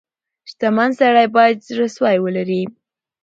• شتمن سړی باید زړه سوی ولري.